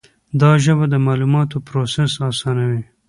دا ژبه د معلوماتو پروسس آسانوي.